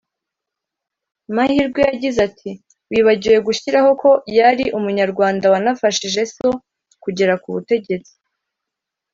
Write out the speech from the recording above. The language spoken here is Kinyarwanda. Mahirwe yagize ati “Wibagiwe gushyiraho ko yari umunyarwanda wanafashije so kugera ku butegetsi